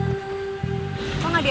gatau gak kedengeran bos